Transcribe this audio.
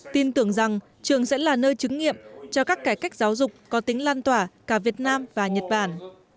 tin tưởng rằng trường sẽ là nơi chứng nghiệm cho các cải cách giáo dục có tính lan tỏa cả việt nam và nhật bản